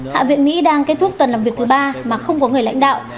hạ viện mỹ đang kết thúc tuần làm việc thứ ba mà không có người lãnh đạo